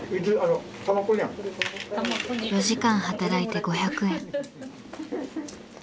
４時間働いて５００円。